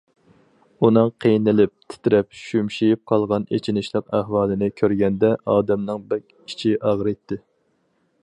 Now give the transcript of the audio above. ئۇنىڭ قىينىلىپ تىترەپ، شۈمشىيىپ قالغان ئېچىنىشلىق ئەھۋالىنى كۆرگەندە ئادەمنىڭ بەك ئىچى ئاغرىيتتى.